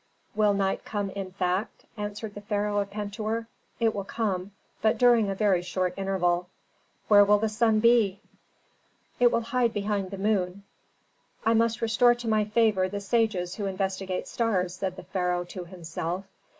"Will night come in fact?" asked the pharaoh of Pentuer. "It will come, but during a very short interval." "Where will the sun be?" "It will hide behind the moon." "I must restore to my favor the sages who investigate stars," said the pharaoh to himself.